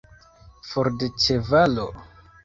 For de ĉevalo!